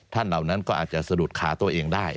เหล่านั้นก็อาจจะสะดุดขาตัวเองได้